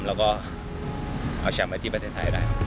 เราก็เอาแชมป์ไว้ที่ประเทศไทยได้